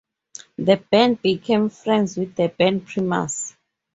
The band became friends with the band Primus.